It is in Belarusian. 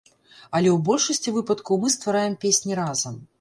Але ў большасці выпадкаў мы ствараем песні разам.